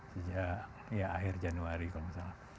sejak ya akhir januari kalau nggak salah